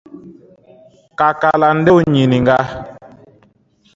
Ka kalandenw ɲininga: